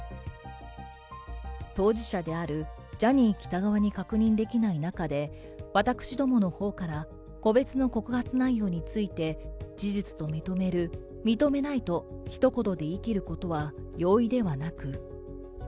当事者であるジャニー喜多川に確認できない中で、私どものほうから個別の告発内容について事実と認める、認めないとひと言で言い切ることは容易ではなく。